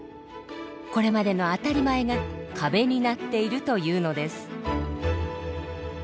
これまでの“あたりまえ”が壁になっているというのです。